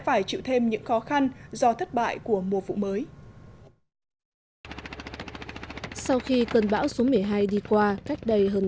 phải chịu thêm những khó khăn do thất bại của mùa vụ mới sau khi cơn bão số một mươi hai đi qua cách đây hơn